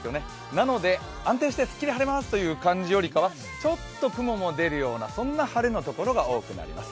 なので安定してすっきり晴れますというよりかはちょっと雲も出るような、そんな晴れの所が多くなります。